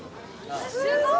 すごい！